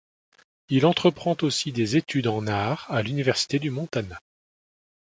Il entreprend aussi des études en arts à l'université du Montana.